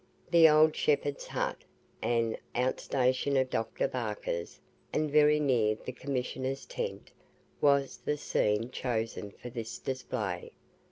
The 'Old Shepherd's Hut,' an out station of Dr. Barker's, and very near the Commissioners' tent, was the scene chosen for this display.